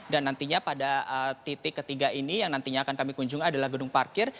dan nantinya pada titik ketiga ini yang nantinya akan kami kunjungi adalah gedung parkir